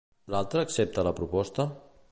L'altre accepta la proposta?